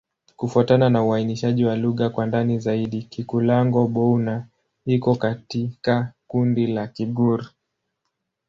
Kufuatana na uainishaji wa lugha kwa ndani zaidi, Kikulango-Bouna iko katika kundi la Kigur.